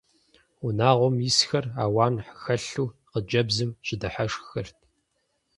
Унагъуэм исхэр ауан хэлъу хъыджэбзым щыдыхьэшххэрт.